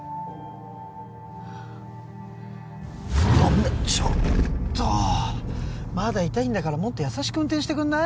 危ねっちょっとまだ痛いんだからもっと優しく運転してくんない？